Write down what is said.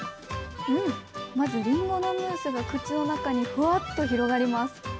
まずリンゴのムースが口の中にふわっと広がります。